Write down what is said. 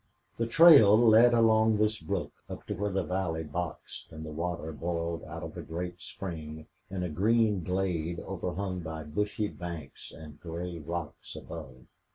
The trail led along this brook up to where the valley boxed and the water boiled out of a great spring in a green glade overhung by bushy banks and gray rocks above.